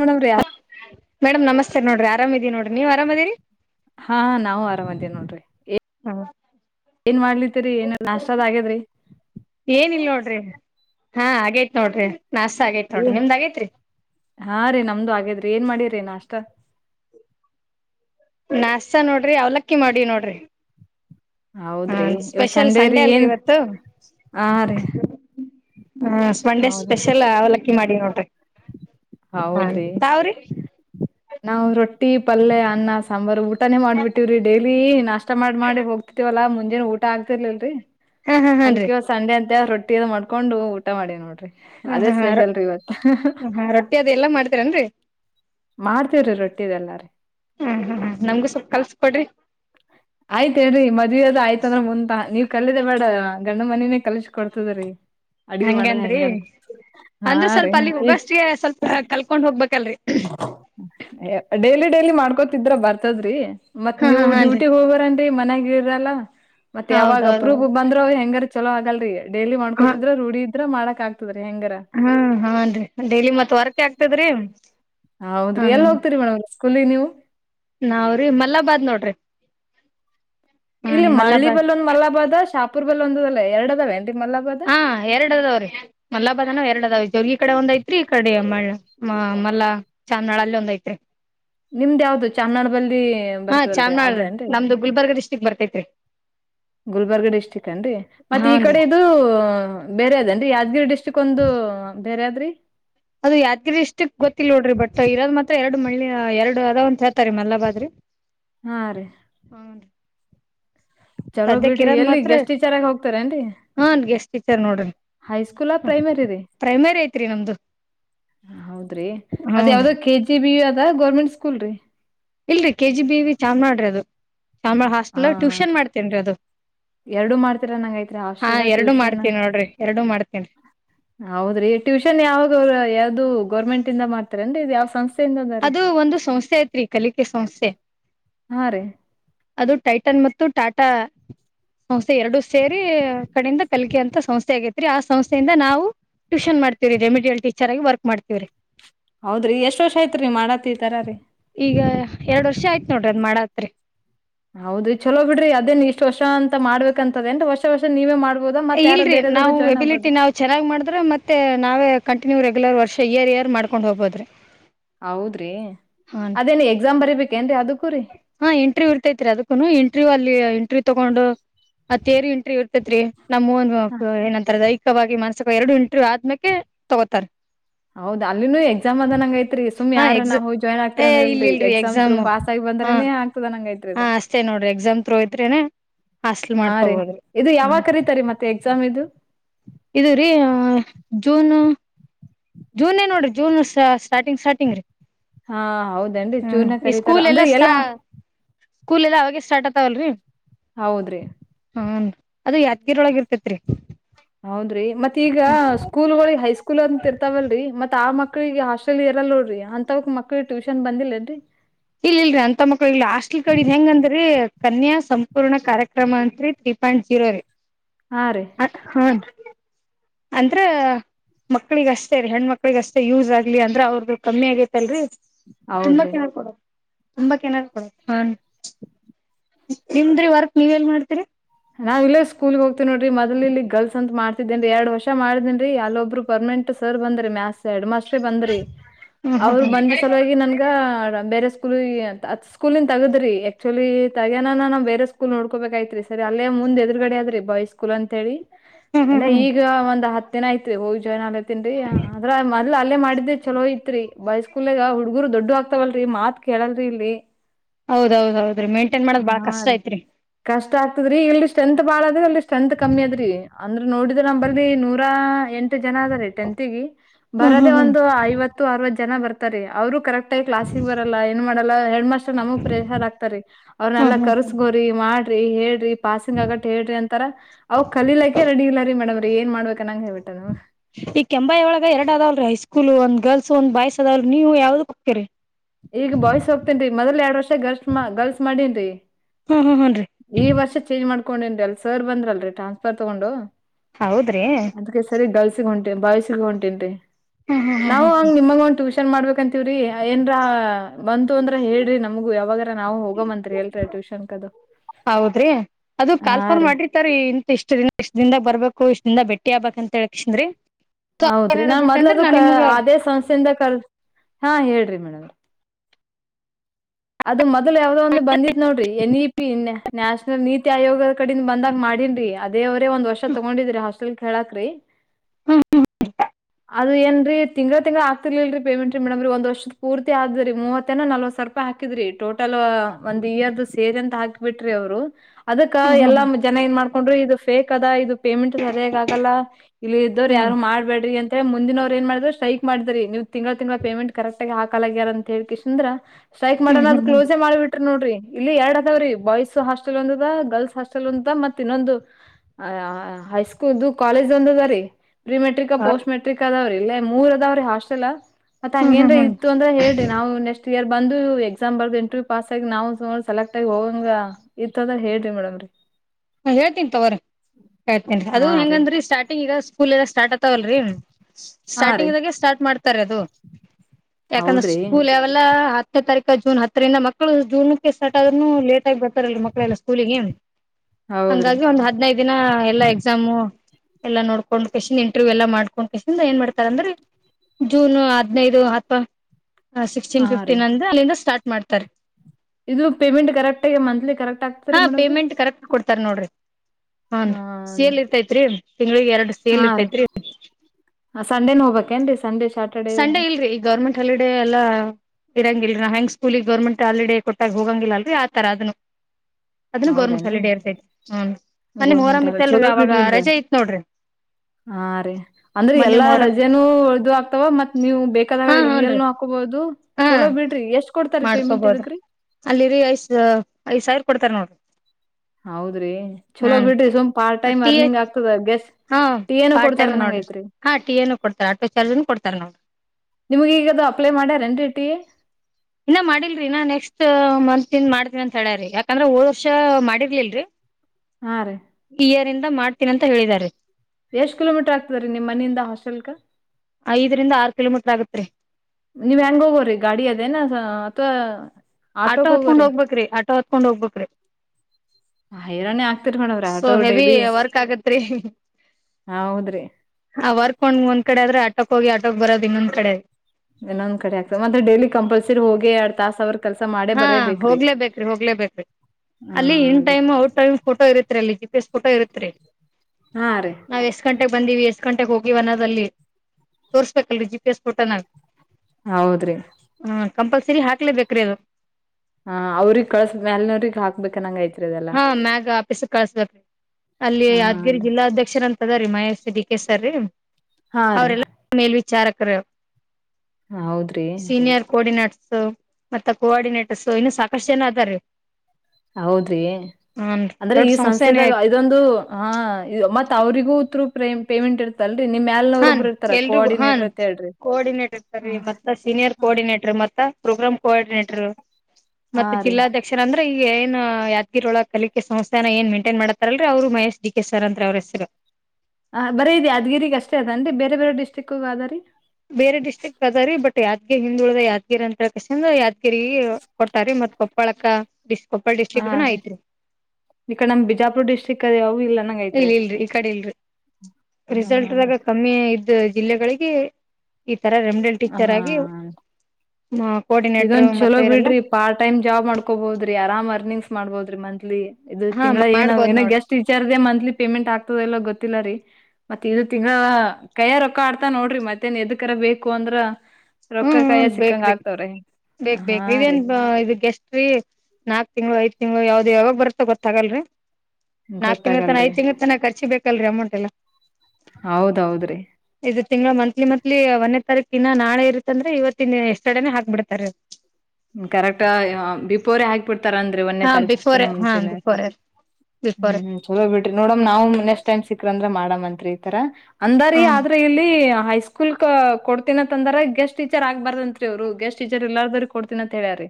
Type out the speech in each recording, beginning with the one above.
ಮೇಡಮ್ರಿ ಹ ಮೇಡಮ್ ನಮಸ್ತೆ ನೋಡ್ರಿ ಆರಾಮದಿ ನೋಡ್ರಿ ನೀವ್ ಆರಾಮದಿರಿ ಹಾ ನಾವು ಆರಾಮದೇ ನೋಡ್ರಿ. ಹ ಏನ್ ಮಾಡ್ಲತಿರಿ ಏನ ಲಾಸ್ದ ಆಗ್ಯದ್ರಿ ಏನಿಲ್ಲ ಹಾ ಆಗೇತ್ ನೋಡ್ರಿ ನಾಸ್ತ ಆಗೇತ್ ನೋಡ್ರಿ ಏನ್ ನಿಮ್ದ್ ಆಗೇತ್ರಿ. ಹಾ ರೀ ನಮ್ದು ಆಗೇದ್ರಿ ಏನ್ ಮಾಡಿರೀ ನಾ ಅಷ್ಟ ನಾಶತ ನೋಡ್ರಿ ಅವಲಕ್ಕಿ ಮಾಡಿ ನೋಡ್ರಿ ಹಾ ಹೌದ್ರಿ ಇವತ್ ಸ್ಪೆಷಲ್ ಸಂಡೇ ಸಂಡೆ ರೀ ಅಲ್ರಿ ಏನ್ ಇವತ್ತು ಹಾ ರೀ ಹ್ಮ ಸಂಡೆ ಹೌದನ್ರಿ ಸ್ಪೆಷಲ್ ಅವಲಕ್ಕಿ ಮಾಡಿ ನೋಡ್ರಿ. ಹಾ ಹೌದ್ರಿ ತಾವ್ರಿ ನಾವು ರೊಟ್ಟಿ ಪಲ್ ಅನ್ನ ಸಾಂಬಾರುಟ್ಟ ತಾನೆ ಮಾಡ್ಬಿಟ್ಟಿವವ್ರಿ ಡೈಲಿ ನಾಷ್ಟ ಮಾಡಿ ಹೋಗ್ತಿವಲ್ಲಾ ಮುಂಜೆನೆ ಊಟ ಆಗ್ತಿರ್ಲಲ್ರರಿ ಹಾ ಹಾ ಹಾನ್ರಿ ಅದಕ್ಕೆ ಸಂಡೆ ಅಂತ ರೊಟ್ಟಿ ಅದು ಮಾಡ್ಕೊಂಡು ಊಟ ಮಾಡಿ ನೋಡ್ರಿ ಹಾ ಅದೇ ಹಾ ಹಾ ಸ್ಪೆಷಲ್ ರರಿ ಹ ಇವತ್ತು ಹಾ ರೊಟ್ಟಿ ಅದ ಎಲ್ಲಾ ಮಾಡ್ತೀರನ್ರರಿ ಮಾಡ್ತವ್ರೀ ರೊಟ್ಟಿದ ಎಲ್ಲಾರೀ ಹ್ಮ ಹ ನಮ್ಗೂ ಸ್ವಲ್ಪ ಕಲ್ಸ ಕೊಡ್ರಿ ಆಯ್ತ್ ಹೇಳ್ರಿ ಮದ್ವೆ ಅದ ಆಯ್ತಂದ್ರ ಮುಂತ ನೀವ ಕಲಿದೆ ಬೇಡ ಗಂಡ ಮನಿನೇ ಕಲ್ಸ ಕೊಡ್ತದ್ರೀ ಅಡ್ಗಿ ಮಾಡದ ಹಂಗಂದ್ರರಿ ಹೆಂಗಂತ ಹಾ ಅಂದ್ರೆ ರೀ ಸ್ವಲ್ಪ ಅಲ್ಲಿ ಏ ಉಗಾಸ್ಗೆ ಸ್ವಲ್ಪ ಕಲ್ಕೊಂಡ್ ಹೋಗ್ಬೇಕಲ್ರರಿ ಡೈಲಿ ಡೈಲಿ ಮಾಡ್ಕೊತಿದ್ರ ಬರ್ತದ್ರಿ ಮತ್ ಹಾ ಹಾ ನೀವವು ಹಾನ್ರಿ ಡ್ಯೂಟಿಗ್ ಹೋಗರನ್ರಿ ಮನ್ಯಾಗ ಇರಲ್ಲ ಮತ್ ಯಾವಾಗ ಅಪ್ರೂವ ಹೌದೌದೌದು ಬಂದ್ರ ಹೆಂಗರ್ ಚಲೋ ಆಗಲ್ರಿ ಡೇಲಿ ಮಾಡ್ಕೋತಿದ್ರ ರೂಢಿದ ಇದ್ರ ಮಾಡಕ್ ಆಗ್ತದ ಹ್ಮ ಹಾ ಡೈಲಿ ಮತ್ತ್ ವರ್ಕ್ ಆಗ್ತದ್ರಿ ಹ ಹೌದ್ರಿ ಎಲ್ಲಿ ಹೋಗ್ತೀರಿ ಮೇಡಮ್ ಸ್ಕೂಲಿ ನೀವು ನಾವ್ರಿ ಮಲ್ಲಾಬಾದ್ ನೋಡ್ರಿ ಹ ಇಲ್ಲಿ ಮಳ್ಳಿ ಮಲ್ಲಾಬಾದ್ ಬಲ್ಲ ಒಂದು ಮಲಾಬಾದ್ ಶಾಪುರ್ ಬಲ್ಲ ಒಂದ ಅಲ್ಲ ಎರಡದಾವ ಎಂತ ಹಾ ಎರಡದಾವ್ರೀ ಮಲ್ಲಾಬದನ ಎರಡ ಅದವ ಈ ಕಡೆ ಒಂದ್ ಐತ್ರಿ ಈ ಕಡೆ ಮ ಮಲ್ಲ ಚಾಮನಾಳ ಅಲ್ಲಿ ಒಂದ್ ಐತ್ರಿ ನಿಮ್ದ್ ಯಾವ್ದು ಚಾಮನಾಡ್ ಬಲ್ಲಿ ಹಾ ಬರ್ತದಲ್ರರಿ ಚಾಮನಾಳ ಅದೇಏನ್ರಿ ನಮ್ದು ಗುಲ್ಬರ್ಗ ಡಿಸ್ಟಿಕ್ ಬರ್ತೈತ್ರಿ ಗುಲ್ಬರ್ಗ ಡಿಸ್ಟ್ರಿಕ್ ಅನ್ರಿ ಮತ್ತೆ ಈ ಹಾನ್ರಿ ಕಡೆ ಇದು ಬೇರೆ ಅದೇನ್ರಿ ಯಾವ ಯಾದಗಿರಿ ಡಿಸ್ಟ್ರಿಕ್ ಒಂದು ಬೇರಾದ್ರಿ ಅದು ಯಾದಗಿ ಇಷ್ಟಕ್ ಗೊತ್ತಿಲ್ ನೋಡ್ರಿ ಬಟ್ ಇರೋದ್ ಮಾತ್ರ ಎರಡು ಮಳ್ಳಿ ಎರಡು ಅದಾವ ಒಂತತ್ ಹೇತಾರೀ ಮಲ್ಲ ಬಾದ್ರಿ ಹಾ ರೀ ಚಲೋ ಸದ್ಯಕ್ ಬಿಡ್ರಿ ಇರೋದ್ ಎಲ್ಲಿ ಮಾತ್ರ ಎಗೆಸ್ಟ್ ಈಚಾರಾಗ ಹೋಗ್ತಾರೇನ್ರಿ ಹಾನ್ ಗೆಸ್ಟ್ ಟೀಚರ್ ನೋಡ್ರಿ ಹೈಸ್ಕೂಲಾ ಪ್ರೈಮರಿ ರೀ ಪ್ರೈಮರಿ ಐತ್ರಿ ನಮ್ದು ಹೌದ್ರಿ ಅದ್ ಹೂನ್ರಿ ಯಾವ್ದೋ ಕೆ ಜಿ ಬಿ ಅದ ಗೌರ್ಮೆಂಟ್ ಸ್ಕೂಲ್ ರೀ ಇಲ್ರರಿ ಕೆ ಜಿ ಬಿ ವಿ ಚಾಮಾ್ರಿ ಅದು ಚಾಮ ಹಾ ಹಾಸ್ಟೆಲ್ ಟ್ಯೂಷನ್ ರೀ ಮಾಡ್ತೇನ್ರಿ ಅದು ಎರಡು ಮಾಡ್ತೀರ ನಂಗ ಐತ್ರಿ ಹಾ ಹಾಸ್ಟೆಲ್ ಎರಡು ಟ್ಯೂಷನ್ ಮಾಡ್ತೀನಿ ನೋಡ್ರಿ ಎರಡು ಮಾಡ್ತನ್ರಿ ಹೌದ್ರಿ ಟ್ಯೂಷನ್ ಯಾವಾಗ ಯಾವ್ದು ಗೌರ್ಮೆಂಟ್ ಇಂದ ಮಾಡ್ತಾರನ್ ಇದ ಯಾವ್ ಸಂಸ್ಥ ಅದು ಒಂದು ಸಂಸ್ಥೆ ಐತ್ರಿ ಕಲಿಕೆ ಸಂಸ್ಥೆ ಹಾ ರೀ ಅದು ಟೈಟನ್ ಮತ್ತು ಟಾಟಾ. ಸಂಸ್ಥೆ ಎರಡು ಸೇರಿ ಕಡಿಂದ ಕಲ್ಕಿ ಅಂತ ಸಂಸ್ಥೆ ಆಗೇತ್ರಿ ಆ ಸಂಸ್ಥೆಯಿಂದ ನಾವು ಟ್ಯೂಷನ್ ಮಾಡ್ತಿರಿ ರೆಮಿಡಿಯಲ್ ಟೀಚರ್ ಆಗಿ ವರ್ಕ್ ಮಾಡ್ತಿವ್ರಿ. ಹೌದ್ರಿ ಎಷ್ಟ ವರ್ಷ ಆಯ್ತ್ರಿ ಮಾಡತ್ ಈ ತರ ರೀ ಈಗ ಎರಡ್ ವರ್ಷ ಆಯ್ತ್ ನೋಡ್ರಿ ಅದ್ ಮಾಡತ್ರಿ. ಹೌದ್ರಿ ಚಲೋ ಬಿಡ್ರಿ ಅದೇನ್ ಇಷ್ಟ ವರ್ಷ ಅಂತ ಮಾಡ್ಬೇಕಂತದೇಂತ ವರ್ಷ ವರ್ಷ ನೀವೇ ಮಾಡ್ ಇಲ್ರಿ ನಾವು ಎಬಿಲಿಟಿ ನಾವ್ ಚೆನ್ನ್ ಮಾಡಿದ್ರೆ ಮತ್ತೆ ನಾವೇ ಕಂಟಿನ್ಯೂ ರೆ ಕಿಲ್ರ್ ವರ್ಷ ಇಯರ್ ಇಯರ್ ಮಾಡ್ಕೊಂಡ್ ಹೋಗೊದ್ರಿ. ಹೌದ್ರಿ ಅದೇನ ಎಕ್ಸಾಮ್ ಬರಿಬೇಕೇಏನ್ರಿ ಅದು. ಹಾ ಎಂಟ್ರಿವ್ ಇರ್ತೈತಿರಿ ಅದಕ್ಕೂ ಎಂಟ್ರಿವ್ ಅಲ್ಲಿ. ಎಂಟ್ರಿವಿ ತಗೊಂಡು ಅತ್ತೇರಿ ಎಂಟ್ರಿ ಇರ್ತೇತ್ರಿ ನಮ್ಮ ಹ ಒಗ್ ಏನಂತರ ಹೈಕ್ ಚವಾಗಿ ಮಾನಸ ಎರಡು ಇಂಟ್ರ್ ಆದ್ಮ್ಯೆ ತಗೋತಾರೆ ಹೌದ ಅನು ಎಕ್ಸಾಮ ಅ ನಂಗ ಐತ್ರಿ ಸುಮ್ ಹಾ ಯಾರ ಎಕ್ಸ ನ ಹೋಗ ಜಾಯನ್ ಏ ಆಗ್ತರಿಂದ್ರ ಇಲ್ಲ ಹೇಳರಿ ಇಲ್ರಿ ಎಕ್ಸಾಮ್ ಪಾಸ್ ಆಗ ಹಾ ಬಂದ್ರ ಆಗ್ತದೆ ಹಾ ಅಷ್ಟೇ ನೋಡ್ರಿ ಎಕ್ಸಾಮ್ ತ್ರೋಯತ್ನೆ ಹಾಸ್ಲ್ ಹಾ ರೀ ಮಾಡ್ಕೊಬೋದ್ರಿ ಇದು ಹ್ಮ ಯಾವಾಗ ಕರೀತಾರಿ ಮತ್ತೆ ಎಕ್ಸಾಮ್ ಇದ್ ಇದು ರೀ ಆ ಜೂನ್. ಜೂನೆ ನೋಡ್ರಿ ಜೂನ್ ಸ್ಟಾರ್ಟಿಂಗ್ ಸ್ಟಾರ್ಟಿಂಗ್ ರೀ. ಹಾ ಹೌದನ್ರಿ ಹ್ಮ್ ಚೂರ್ನ ಈ ಕರಿತರ ಸ್ಕೂಲ್ ಅಂದ್ರೆ ಸ್ಟಾ ಎಲ್ಲಾ. ಸ್ಕೂಲ್ ಎಲ್ಲ ಅವಾಗೆ ಸ್ಟಾರ್ಟ್ ಆಗ್ತಾವ್ ಅಲ್ರಿ. ಹೌದ್ರಿ ಅದ ಯಾದ್ಗಿರೊಳಗ್ ಇರ್ತೈತ್ರಿ. ಹೌದ್ರಿ ಮತ್ ಈಗ ಸ್ಕೂಲ್ಗಳಿಗೆ ಹೈಸ್ಕೂಲ್ ಅಂತ ಇರ್ತಾವಲ್ರಿ ಮತ್ ಆ ಮಕ್ಕಳ್ ಮಕ್ಕಳಿಗೆ ಹಾಸ್ಟೆಲ್ ಇರಲ್ಲ ನೋಡ್ರಿ ಅಂತವಕ್ ಮಕ್ಳಿಗ್ ಟ್ಯೂಷನ್ ಬಂದಿಲ್ಲೇನ್ರಿ. ಇಲ್ ಇಲ್ರಿ ಅಂತ ಮಕ್ಳು ಇಲ್ ಹಾಸ್ಟ್ಲ್ ಕಡೆ ಹೆಂಗಂದ್ರಿ ಕನ್ಯಾ ಸಂಪೂರ್ಣ ಕಾರ್ಯಕ್ರಮ ಅಂತ್ರಿ ತಿ ಪಾಯಿಂಟ್ ಜೀರೋ ರಿ ಹಾ ರೀ ಹತ್ ಹುನ್. ಅಂದ್ರ ಮಕ್ಳಿಗ್ ಅಷ್ಟೇ ರೀ ಹೆಣ್ಮಕ್ಳಿಗ್ ಅಷ್ಟೇ ಯೂಸ್ ಆಗ್ಲಿ ಅಂದ್ರ ಅವ್ರದ್ದ ಕಮ್ಮಿ ಆಗೇತಲ್ರಿ. ತುಂಬಾ ಹೌದ್ರಿ ಕೇಳ ಕೊಡ. ತುಂಬಾ ಕೆನ ಕೊಡ ಹಾ ನಿಮ್ದ್ರಿ ವರ್ಕ್ ನೀವ್ ಎಲ್ ಮಾಡ್ತೀರಿ. ನಾವ್ ಇಲ್ಲೆ ಸ್ಕೂಲ್ಗ್ ಹೋಗ್ತೇವಿ ನೋಡ್ರಿ ಮದ್ಲ ಇಲ್ಲಿ ಗರ್ಲ್ಸ್ ಅಂತ ಮಾಡ್ತಿದೇನ್ರಿ ಎಡ್ ವರ್ಷ ಮಾಡಿದೇನ್ರಿ ಅಲೊಬ್ರು ಪರ್ ಮೆಂಟ್ ಸರ್ ಬಂದ್ರೆ ಮ್ಯಾಸ್ ಹೆಡ್ ಮಾಸ್ಟರೆ ಬಂದ್ರಿ ಹ್ಮ್ ಹ್ಮ್ ಅವ್ರು ಬಂದ್ ಹ್ಮ್ ಸಲುವಾಗಿ ನನ್ಗ ಬೇರೆ ಸ್ಕೂ ಸ್ಕೂಲ್ ಅತ್ ಸ್ಕೂಲಿನ್ ತಗದ್ರಿ ಆಕ್ಚುಲಿ ತಗ್ಯನಾನ ನಾ ಬೇರೆ ಸ್ಕೂಲ್ ನೋಡ್ಕೋಬೇಕ ಐತ್ರಿ. ಸರಿ ಅಲ್ಲೇ ಮುಂದ್ ಎದ್ರುಗಡೆ ಆದ್ರಿ ಬಾಯ್ ಸ್ಕೂಲ್ ಅಂತ ಹೇಳಿ ಹ್ಮ್ ಇನ್ನ ಹ್ಮ್ ಹ್ಮ್ ಈಗ ಒಂದ್ ಹತ್ ದಿನ ಐತ್ರಿ ಹೋಗ್ ಜೂನ್ ಆಲತನ್ರೀ ಅದ್ರ ಮೊದ್ಲ ಅಲ್ಲೆ ಮಾಡಿದ್ದೆ ಚಲೋ ಐತ್ರಿ ಬೈಸ್ಕೂಲ್ಗ ಹುಡ್ಗುರು ದೊಡ್ ದುಡ್ಡು ಆಗ್ತವಲ್ರಿ ಮಾತ್ ಕೇಳಲ್ರಿ ಇಲ್ಲಿ. ಹೌದೌದ ಹೌದ್ರೀ ಮೇಂಟೇನ್ ಮಾಡ್ದ ಬಾಳ್ ಕಷ್ಟ ಐತ್ರಿ. ಆಗ್ತದ್ ರೀ ಇಲ್ಲಿ ಸ್ಟ್ರೆಂತ್ ಭಾಳದ ಆಲ್ ಸ್ಟ್ರೇ ಸ್ಟ್ರೆಂತ್ ಕಮ್ಮಿ ಅದ್ರೀ ಅಂದ್ರ ನೋಡಿದ್ರ ನಂಬಲಿ ನೂರಾ ಎಂಟು ಜನ ಅದೀ ಟೆಂತಿಗಿ ಬ ಹ್ಮ್ ಹ್ಮ್ ರದೇ ಒಂದು ಹ್ಮ್ ಐವತ್ತು ಅರವತ್ತು ಜನ ಬರ್ತಾರೆ ಅವ್ರು ಕರೆಕ್ಟ್ ಟಾಗ್ ಕ್ಲಾಸಿಗ್ ಬರಲ್ಲ ಏನ್ ಮಾಡಲ್ಲ ಹೆಡ್ ಮಾಸ್ಟರ್ ನಮಗ್ ಪ್ರೆಷರ್ ಆಗ್ತಾರೆ ಹ್ಮ್ ಅವ್ರನ್ನಲ್ಲ ಹ್ಮ್ ಹ್ಮ್ ಕರ್ಸಗೋರಿ ಮಾಡ್ ದೆ ಹೇಳ್ರಿ ಪಾಸಿಂಗ್ ಆಗಟ್ ಹೇಳ್ರಿ ಅಂತಾರ ಅವ್ ಕಲಿಲಕ್ಕೆ ರೆಡಿ ಇಲ್ಲಾರಿ ಮೇಡಮ್ರಿ ಏನ್ ಮಾಡ್ಬೇಕ ಅನ್ನಂಗ ಹೇಳ್ಬಿಟ್ಟ ನ್ ಈ ಕೆಂಬಾಯಿ ಒಳಗ ಎರಡ್ ಅದಾವಲ್ ರೀ ಹೈಸ್ಕೂಲ್ ಒಂದ ಗರ್ಲ್ಸ್ ಒಂದ ಬಾಯ್ಸ್ ಅದಾವಲ್ ನೀವು ಯಾವ್ದಕ್ ಹೋಗ್ತಿರಿ. ಈಗ ಬಾಯ್ಸ್ ಹೋಗ್ತೇನ್ರಿ ಮೊದ್ಲ್ ಎರಡ್ ವರ್ಷ ಗರ್ಲ್ಸ್ ಗರ್ಲ್ಸ್ ಮಾಡೇನ್ರಿ. ಹ್ಮ್ ಹ್ಮ್ ಹ್ಮ್ ರೀ ಈ ವರ್ಷ ಚೇಂಜ್ ಮಾಡ್ ಕೊಂಡೆನ್ ಆಲ್ ಸರ್ ಬಂದ್ರಲ್ರಿ ಟ್ರಾನ್ಸ್ಫರ್ ತಗೊಂಡು ಹೌದ್ರಿ ಅದ್ಕೆ ಸರಿ ಗರ್ಲ್ಸ್ ಸಿಗ್ ಬಾಯ್ ಸಿಗ್ ಹೊಂಟೇನ್ ಹ್ಮ್ ಹ್ಮ್ ಹ್ಮ್ ನಾವು ಹ್ಮ್ ಹಂಗ್ ಹ್ಮ್ ನಿಮಂಗ್ ಒಂದ್ ಟ್ಯೂಷನ್ ಮಾಡ್ಬೇಕಂತೀವ್ರೀ ಏನ್ ರ ಬಂತು ಅಂದ್ರ ಹೇಳ್ರಿ ನಮ್ಗು ಯಾವಾಗಾರ ನಾವು ಹೋಗಂತ್ರಿ ಎಲ್ರಿ ಟ್ಯೂಷನ್ ಕದು. ಹೌದ್ರಿ ಅದು ಹಾ ಕಾಲ್ಫರ್ ರೀ ಮಾಡ್ರಿತಾರೀ ಇಂತ್ ಇಷ್ಟ್ ದಿನ ಇಷ್ಟ ದಿನದಾಗ ಬರ್ಬೇಕ್ ಹೂ ಇಷ್ಟ್ ದಿನ್ದಾಗ ಬೆಟ್ಟಿ ಆಗ್ಬಕ್ ಅಂತ ಹೇಳ್ಕಸಂದ್ರೀ ಹೌದ್ರೀ ನಾನ್ ಮೊದ್ಲದು ಕ ಅದೇ ಸಂಸ್ಥೆಯಿಂದ ಕಲ್ ಹಾ ಹೇಳ್ರಿ ಮೇಡಮ್ ಅದು ಮೊದಲು ಯಾವ್ದೋ ಒಂದ ಬಂದಿತ್ ನೋಡ್ರಿ ಎನ್ ಇ ಪಿ ನ್ಯಾಷನಲ್ ನೀತ್ ನಿತ್ಯ ಆಯೋಗದ ಕಡಿಂದ ಬಂದಾಗ್ ಮಾಡಿನ್ರೀ ಅದೇವರೇ ಒಂದ್ ವರ್ಷ ತಗೊಂಡಿದ್ರಿ ಹಾಸ್ಟೆಲ್ ಕ್ಹೇಳಾಕ್ರೀ ಹ್ಮ್ ಹ್ಮ್ ಹ್ಮ. ಅದು ಏನ್ರಿ ತಿಂಗ್ಳ ತಿಂಗ್ಳ ಆಗ್ತಿರ್ಲಿಲ್ಲಲ್ರಿ ಪೇಮೆಂಟ್ರಿೇ ಮೇಡಮ್ರೀ ಒಂದ್ ವರ್ಷದ ಪೂರ್ತಿ ಆದ್ವರೀ ಮೂವತ್ತ ನ ನಲ್ವತ್ತ ಸಾವಿರ ಹಾಕಿದ್ರಿ ಟೋಟಲ್ ಒಂದ್ ಇಯರ್ದು ಸೇರಿ ಅಂತ ಹಾಕ್ಬಿಟ್ರಿ ಅವರು. ಅದಕ್ಕ ಹ್ಮ್ ಹ್ಮ್ ಎಲ್ಲಾ ಜನ ಏನ್ ಮಾಡ್ ಕೊಂಡು ಇದು ಫೇಕ್ ಅದ ಇದು ಪೇಮೆಂಟ್ ಸರಿಯಾಗಿ ಆಗಲ್ಲ ಇಲ್ಲಿ ಇದ್ದವ್ರ ಯಾರು ಹ್ಮ್ ಮಾಡ್ಬೇಡಿ ಅಂತ ಮುಂದಿನವ್ರ ಏನ್ ಮಾಡ್ರ ಸ್ಟ್ರೈಕ್ ಮಾಡದ್ರೀ ನೀವು ತಿಂಗಳ ತಿಂಗಳ ಪೇಮೆಂಟ್ ಕರೆಕ್ಟಗ ಹಾಕಾಲಾಗ್ಯಾರ ಅಂತ್ಹೇಳಿ ಕ್ಯಾಸಿಂದ್ರ ಸ್ಟ್ರೈಕ್ ಹ್ಮ್ ಮಾಡಣ ಅಡ್ ಹ್ಮ್ ಹ್ಮ್ ಕ್ಲೋಸೆ ಮಾಡಿಬಿಟ್ರ ನೋಡ್ರಿ. ಇಲ್ಲಿ ಎರಡ್ ಅದಾವ್ರೀ ಬಾಯ್ಸ್ ಹಾಸ್ಟೆಲ್ ಒಂದದ ಗರ್ಲ್ಸ್ ಹಾಸ್ಟೆಲ್ ಒಂದದ ಮತ್ ಇನ್ನೊಂದು. ಅ ಹೈಸ್ಕೂಲ್ದು ಕಾಲೇಜಂದದ ರೀ. ಪ್ರೀಮೆಟ್ರಿಕ್ ಪೋಸ್ಟ್ ಮೆಟ್ರಿಕ್ ಅದಾವ್ರ ಇಲ್ಲೇ ಮೂರ್ ಅದಾವ್ರಿ ಹಾಸ್ಟೆಲ. ಮತ್ತ ಹ್ಮ್ ಹ್ಮ್ ಹಂಗೇಂದ್ರ ಹ್ಮ್ ಇತ್ತು ಅಂದ್ರೆ ಹೇಳಿ ನಾವು ನೆಕ್ಸ್ಟ್ ಇಯರ್ ಬಂದು ಎಕ್ಸಾಮ್ ಬರ್ದು ಇಂಟರ್ವ್ಯೂ ಪಾಸ್ ಆಗಿ ನಾವು ಸೆಲೆಕ್ಟ್ ಆಗಿ ಹೋಗಂಗ ಇತ್ತಂದ್ರ ಹೇಳ್ರಿ ಮೇಡಮ್ ರೀ. ಹೇಳ್ತೀನ್ ತಗೋರೀ ಹೇಳ್ತೀನ್ರೀ ಅದು ಹಾ ರೀ ಹೆಂಗಂದ್ರೀ ಸ್ಟಾರ್ಟಿಂಗ್ ಈಗ ಸ್ಕೂಲ್ ಸ್ಟಾರ್ಟ್ ಆ ವಲ್ರಿ ಸ್ಟಾರ್ಟಿಂಗಿದ್ದಾಗೆ ಸ್ಟಾರ್ಟ್ ಮಾಡ್ತ ತಾರೀ ಅದು ಯಾಕಂದ್ರೆ ಹೌದ್ರಿ ಸ್ಕೂಲ್ ಅವೆಲ್ಲ ಹತ್ತನೇ ತಾರೀಕು ಜೂನ್ ಹತ್ತರಿಂದ ಮಕ್ಕಳು ಜೂನಕ್ಕ ಸ್ಟಾರ್ಟ ಆದ್ರೂನು ಲೇಟ್ ಆಗಿ ಬರ್ತಾರಲ್ ಮಕ್ಕಳೆಲ್ಲ ಸ್ಕೂಲಿಗೆ ಹೌದ್ರಿ ಹಂಗಾಗಿ ಒಂದ್ ಹದ್ನೈದು ದಿನ ಎಲ್ಲಾ ಎಕ್ಸಾಮು ಎಲ್ಲ ನೋಡ್ಕೊಂಡು ಕೆಸಿಂದ ಇಂಟರ್ವ್ಯೂ ಎಲ್ಲ ಮಾಡ್ಕೊಂಡ್ ಕೆಸಿಂದ ಏನ್ ಮಾಡ್ತಾರ ಅಂದ್ರೀ ಜೂನ್ ಹದ್ನೈದು ಹತ್ತು ಸಿಕ್ಸ್ಟೀನ್ ಹಾ ರೀ ಫಿಫ್ಟೀನ್ ಅಂದ್ರ ಅಲ್ಲಿಂದ ಸ್ಟಾರ್ಟ್ ಮಾಡ್ತಾರೀ. ಇದು ಪೇಮೆಂಟ್ ಕರೆಕ್ಟ್ ಆಗೇ ಮಂತ್ಲಿ ಕರೆಕ್ಟ್ ಹಾ ಆಗ್ತದ್ರೀ ಮೇಡಮ್ರೀ? ಪೇಮೆಂಟ್ ಕರೆಕ್ಟ್ ಕೊಡ್ತಾರ ನೋಡ್ರಿ ಹೂನ್ ರೀ ಸೇಲ್ ಇರ್ತೈತ್ರಿ. ತಿಂಗಳಿಗ್ ಎರಡು ಸೇಲ್ ಇರ್ತತ್ರಿ ಹಾ ಸಂಡೇನೂ ಹೋಗ್ಬೇಕೇನ್ರೀ ಸಂಡೆ ಸಂಡೇ ಇಲ್ರಿ ಗೌರ್ಮೆಂಟ್ ಹಾಲಿಡೇ ಎಲ್ಲಾ ಇರಂಗಿಲ್ ನಾ ಹೆಂಗ್ ಸ್ಕೂಲಿಗ್ ಗೌರ್ಮೆಂಟ್ ಹಾಲಿಡೇ ಕೊಟ್ಟಾಗ ಹೋಗಂಗಿಲ್ಲ ಅಲ್ರಿ ಆತರ ಅದುನು. ಅದನ್ನ ಗೌರ್ಮೆಂಟ್ ಹೌದೇನ್ರಿ ಹಾಲಿಡೇ ಇರ್ತತ್ರೀ ಹ್ಮ ಮೊನ್ನೆ ಗೌರ್ಮೆಂಟ್ ಮೋರಮ್ ಅಲ್ಲ ಇತ್ತಲ್ರಿ ಚಲೋ ಅವಾಗ ಬಿಡ್ರಿ ನಿಮ್ದ ರಜೆ ಇತ್ ನೋಡ್ರಿ ಹಾ ರೀ ಅಂದ್ರೆ ಮೊನ್ನೆ ಎಲ್ಲಾ ಮೊಹರಂ ರಜೆನೂ ಉಳಿದ್ವ ಆಗ್ತವ ಮತ್ ನೀವು ಹಾ ಬೇಕಾದಾಗ ಈ ಹನ್ರಿ ಎಲ್ನೂ ಹಾಕೋಬಹುದು ಹಾ ಚೊಲೋ ಬಿಡ್ರಿ ಎಷ್ಟ್ ಕೊಡ್ತಾರೀ ಪೇಮೆಂಟ್ ಮಾಡ್ಕೋಬೋದು ಇದಕ್ರಿ? ಅಲ್ಲಿರಿ ಐಸ್ ಐದ್ ಸಾವಿರ ಕೊಡ್ತಾರ ನೋಡ್ರಿ. ಹೌದ್ರಿ ಚುಲೋ ಹನ್ ಬಿಡ್ರಿ ಸುಮ್ ಪಾರ್ಟ್ ಟೈಮ್ ಟೀ ಅರ್ನಿಂಗ್ ಆಗ್ತದ ಗೆಸ್ ಹಾ ಟಿ ಎ ನು ಪಾರ್ಟ್ ಟೈ್ ಕೊಡ್ತಾರ ನಂಗ ನೋಡ್ರಿ ಐತ್ರಿ ಹಾ ಟೀ ಏ ನು ಕೊಡ್ತಾರ ಆಟೋ ಚಾರ್ಜುನು ಕೊಡ್ತಾ ನಿಮ್ಗ ಈಗದು ಅಪ್ಲೈ ಮಾಡ್ಯಾರ ಟಿ ಎ ಇನ್ನ ಮಾಡಿಲ್ರಿ ಇನ್ನ ನೆಕ್ಸ್ಟ್ ಮಂತ್ ಇಂದ ಮಾಡ್ತಿವಿ ಅಂತ ಹೇಳ್ಯಾರೀ ಯಾಕಂದ್ರ ಹೋದ ವರ್ಷ ಮಾಡಿರ್ಲಿಲ್ರೀ ಹಾ ರೀ ಈ ಇಯರಿಂದ ಮಾಡ್ತೀನಿ ಅಂತ ಹೇಳಿದಾರೀ. ಎಷ್ಟ್ ಕಿಲೋಮೀಟರ್ ಆಗ್ತದ ರೀ ನಿಮ್ ಮನೆಯಿಂದ ಹಾಸ್ಟೆಲ್ಕ. ಐದರಿಂದ ಆರು ಕಿಲೋಮೀಟರ್ ಆಗತ್ರಿ. ನೀವ್ ಹೆಂಗ ಹೋಗೋರಿ ಗಾಡಿ ಅದೇನ ಅಥವಾ ಆಟೋ ಆಟೋಕ್ ಹತ್ಕೊಂಡ್ ಹೋಗೋರಿ ಹೋಗ್ಬೇಕ್ರೀ ಆಟೋ ಹತ್ಕೊಂಡ್ ಹೋಗ್ಬೇಕ್ರೀ. ಹೈರಾಣೆ ಆಗ್ತಿರಿ ಮೇಡಮ್ರೀ so auto heavy daily work ಆಗತ್ರಿ. ಹೌದ್ರಿ ಆ ವರ್ಕೊಂದ್ ಒಂದ್ ಕಡೆ ಆದ್ರೆ ಆಟೋಕ್ ಹೋಗಿ ಆಟೋಕ್ ಬರೋದು ಇನ್ನೊಂದ್ ಕಡೆ. ಇನ್ನೊಂದ್ ಕಡೆ ಆಗ್ತದೆ ಮತ್ತೆ ಡೈಲಿ ಕಂಪಲ್ಸರಿ ಹೋಗಿ ಎರಡ್ ತಾಸ ಆದ್ರ ಹಾ ಹೋಗ್ಲೇಬೇಕ್ರಿ ಹೋಗ್ಲೇಬೇಕ್ರಿ. ಹಾ ಅಲ್ಲಿ ಇನ್ ರೀ ಟೈಮ್ ಔಟ್ ಟೈಮ್ ಫೋಟೋ ಇರತ್ರಿ ಅಲ್ಲಿ ಜಿಪಿಎಸ್ ಫೋಟೋ ಇರುತ್ರೀ ಹಾ ರೀ ನಾವ್ ಎಷ್ಟ ಗಂಟೆಗ್ ಬಂದಿವಿ ಎಷ್ಟ್ ಗಂಟೆಗೆ ಹೋಗಿವಿ ಅನ್ನದಲ್ಲಿ ತೋರ್ಸ್ಬೇಕಲ್ರೀ ಜಿ ಪಿ ಎಸ್ ಫೋಟೋ ನಾ. ಹೌದ್ರಿ ಕಂಪಲ್ಸರಿ ಹಾಕ್ಲೇಬೇಕ ರೀ ಅದು. ಹ ಅವ್ರಿಗ್ ಕಳ್ಸ ಮ್ಯಾಲ್ನವರಿಗ್ ಹಾಕ್ಬೇಕ ಅನಂಗ ಆಯ್ತ. ಹಾ ಮ್ಯಾಗ ಆಪೀಸ ಕಲ್ಸ್ಬೆಕ್ ಅಲ್ಲಿ ಹಾ ಯಾದಗಿರಿ ಅಲ್ರಿ ಜಿಲ್ಲಾ ಅಧ್ಯಕ್ಷರ ಅಂತದ ರೀ ಮಹೇಶ್ ಡಿ ಕೆ ಸರ್ ರಿ ಹಾ ರೀ ಅವರೆಲ್ಲಾ ಮೇಲ್ವಿಚಾರಕರ ಅವ್ರ. ಹೌದ್ರಿ ಸೀನಿಯರ್ ಕೋರ್ಡಿನೇಟ ಸೋ ಮತ್ತ ಕೋಆರ್ಡಿನೇಟರ್ಸ ಇನ್ನು ಸಾಕಷ್ಟ ಜನ ಅದಾರೀ. ಹೌದು ಹನ್ ಅಂದ್ರ ದೊಡ್ಡ ಈ ಸಂಸ್ಥೆನೇ ಸಂಸ್ಥೆದಾಗ ಆಯ್ತ್ ಇದೊಂದು ಹ ಮತ್ತ ಅವರಿಗೂ ಥ್ರೂ ಸೇಮ್ ಪೇಮೆಂಟ್ ಇರ್ತ ಅಲ್ ರಿ. ಹಾನ್ ಎಲ್ರಿಗೂ ಹಾ ಹೇಳ್ರಿ ಕೋಆರ್ಡಿನೇಟರ್ ಮತ್ತ ಸೀನಿಯರ್ ಕೋಆರ್ಡಿನೇಟರ್ ಮತ್ತ ಪ್ರೋಗ್ರಾಮ್ ಕೋಆರ್ಡಿನೇಟರ್ ಹಾ ಮತ್ತೆ ರೀ ಜಿಲ್ಲಾಧ್ಯಕ್ಷರ ಅಂದ್ರೆ ಏನ್ ಯಾದಗಿರಿ ಒಳಗ ಕಲಿಕೆ ಸಂಸ್ಥಾನ ಏನ್ ಮೇಂಟೈನ್ ಮಾಡತಾರಲ್ರರಿ ಅವ್ರು ಮಹೇಶ್ ಡಿ ಕೆ ಸರ್ ಅಂತ್ರೀ ಅವ್ರ ಹೆಸರು. ಹಾ ಬರೀ ಇದ ಯಾದ್ಗಿರಿಗೆ ಅಷ್ಟೇ ಅದೇನ್ರಿ ಬೇರೆ ಬೇರೆ ಡಿಸ್ಟ್ರಿಕ್ಗ ಅದ ರೀ. ಬೇರೆ ಡಿಸ್ಟ್ರಿಕ್ ಅದರಿ ಬಟ್ ಯಾದಗಿರಿ ಹಿಂದುಳಿದ ಯಾದ್ಗಿರಿ ಅಂತ ಕೇಸಿಂದ ಯಾದ್ಗಿರಿ ಕೊಟ್ಟಾರಿ ಮತ್ ಕೊಪ್ಪಳಕ್ ಹಾ ರೀ ಈಕ ನಮ್ ಬಿಜಾಪುರ್ ಡಿಸ್ಟ್ರಿಕ್ ಅದ ಯಾವು ಇಲ್ಲ ನಂಗ ಇಲ್ ಇಲ್ರಿ ಈ ಕಡೆ ಇಲ್ರಿ ಹಾ ಹಾ ರಿಸಲ್ಟ್ದಾಗ ಕಮ್ಮಿ ಇದ ಜಿಲ್ಲೆಗಳಿಗೆ ಈ ತರ ರೆಮಿಡೆಲ್ಟಿಚರ್ ಆಗಿ ಕೋಆರ್ಡಿನೇಟರ್ ಇದೊಂದ ಚಲೋ ಮತ್ತೆ ಇರೆಲ್ಲ ಬಿಡ್ರಿ ಪಾರ್ಟ್ ಟೈಮ್ ಜಾಬ್ ಮಾಡ್ಕೋಬೋದ್ರಿ ಆರಾಮ್ ರ್ನಿಂಗ್ಸ್ ಮಾಡ್ಬಹುದುರೀ ಮಂತ್ಲಿ ಇದು ಹಾ ತಿಂಗಳ ಏನ ಮಾಡ್ಬೋದ್ ಏನೋ ನೋಡ್ರಿ ಗೆಸ್ಟ್ ವಿಚಾರದ ಮಂತ್ಲಿ ಪೇಮೆಂಟ್ ಆಗ್ತದೀಲ್ಲ ಗೊತ್ತಿ ಲ್ಲ ರೀ ಮತ್ತ ಇದು ತಿಂಗಳ ಕೈಯ್ಯಗ ರೊಕ್ಕ ಆಡ್ತಾ ನೋಡ್ರಿ ಮತ್ತೇನ್ ಎದಕರ ಬೇಕ ಕೂ ಅಂದ್ರ ಹ್ಮ ರೊಕ್ಕ ಕೈಯ ಹ್ಮ್ ಸಿಕ್ಕಂಗ ಬೇಕ್ರಿ ಆಗ್ತವ್ರಿ ಬೇಕ್ ಹಾ ಬೇಕ್ ಇದೇನ್ ರೀ ಇದ ಗೆಸ್ಟ್ರಿ ನಾ ತಿಂಗಳ ಐದ ತಿಂಗಳು ಯಾವ್ದ ಯಾವಾಗ ಬರ್ತೋ ಗೊತ್ತಾಗಲ್ರಿ. ನಾಕ್ ತಿಂಗಳ ತನ ಗೊತ್ತಾಗಲ್ರಿ ಐದ್ ತಿಂಗ್ಲ ತನ ಖರ್ಚಿಗ ಬೇಕಲ್ರಿ ಅಮೌಂಟ್ ಎಲ್ಲಾ. ಹೌದೌದ್ರೀ ತಿಂಗಳ ಮಂತ್ಲಿ ಮಂತ್ಲಿ ಒನ್ನೇ ತಾರೀಕಿನ ನಾಳೆ ಇರುತ್ತ ಅಂದ್ರ ಇವತ್ತ ಎಸ್ಟರ್ಡೇ ನೇ ಹಾಕ್ಬ ಬಿಡ್ತಾರ ರಿ. ರಿ ಒನ್ನೇ ಹಾ ಬಿಫೋರ್ ತಾರೀಕಿನ್ ಹಾ ಮುಂಚೆನೇ ಬಿಫೋರ್ ಹಂ ಬಿಫೋರ್ ಹಂ ಚೊಲೋ ಬಿಡ್ರಿ ನೋಡಮ ನಾವು ನೆಕ್ಸ್ಟ್ ಟೈಮ್ ಸಿಕ್ಕರ್ ಅಂದ್ರ ಮಾಡಮ್ ಅಂತ್ ರಿ ಇತರ ಅಂದಾರ್ ಹ ರಿ ಇಲ್ಲಿ ಹೈಸ್ಕೂಲ್ ಕ ಕೊಡ್ತಿನ್ ಅಂತ್ ಅಂದಾರ್ ಗೆಸ್ಟ್ ಟೀಚರ್ ಆಗ್ಬಾರದಂತ್ರಿ ಅವ್ರು ಗೆಸ್ಟ್ ಟೀಚರ್ ಇಲ್ಲಾರ್ದೋರಿಗ ಕೊಡ್ತೀನಂತ್ ಹೇಳ್ಯಾರೀ.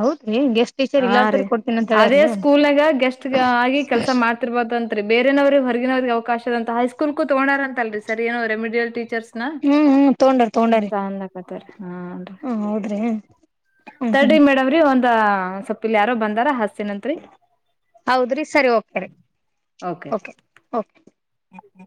ಹೌದ್ರಿ ಗೆಸ್ಟ್ ಟೀಚರ್ ಹ ರೀ ಇಲ್ಲಾರ್ದರಿ ಕೊಡ್ತೀನ ಅಂತ ಹೇಳ್ಯಾರಿ ಅದೇ ಸ್ಕೂಲ್ನಾಗ ಗೆಸ್ಟ್ ಆಗಿ ಕೆಲ್ಸ ಮಾಡ್ತಿರ್ಬ ತಂತ್ರಿ ಬೇರೆನವರಿಗ್ ಹೊರಗಿನವ್ರಿಗ ಅವಕಾಶದಂತ ಹೈಸ್ಕೂಲ್ಕ ತೊಗೊಂಡಾರ್ ಅಂತ್ ಅಲ್ರಿ ಸರಿ ಏನೋ ರೆಮಿಡಿಯಲ್ ಟೀಚರ್ಸ್ ನಾ ಹ್ಮ್ ಹ್ಮ್ ತೊಂಡಾರ ತೊಂಡಾರಿ ಅಂತ ಅನ್ಲಾಕತ್ತಾರಿ ಹಾನ್ರಿ. ಹ್ಮ ಹೌದ್ರಿ ಹ್ಮ್ ತಡ್ರಿ ಹ್ಮ್ ಮೇಡಮ್ರಿ ಒಂದ ಸೊಪ್ಪಿಲ್ ಯಾರೋ ಬಂದಾರ ಹಸ ಹೌದ್ರಿ ಸರಿ ಓಕೆ ರಿ ಓಕೆ ಓಕೇ. ಹಂ.